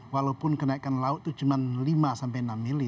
walaupun kenaikan laut itu cuma lima sampai enam mili